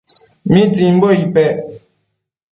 ¿mitsimbo icpec